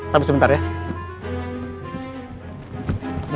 tapi sebentar ya